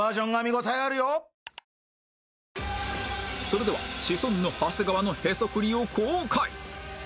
それではシソンヌ長谷川のへそくりを公開！